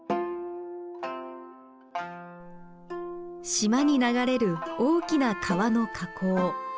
島に流れる大きな川の河口。